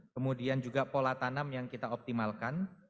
kemudian juga pola tanam yang kita optimalkan